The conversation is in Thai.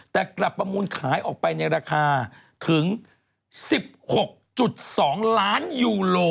แต่กลับประมูลขายออกไปในราคาถึง๑๖๒ล้านยูโร